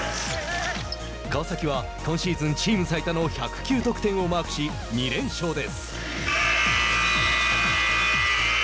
川崎は今シーズンチーム最多の１０９得点をマークし２連勝です。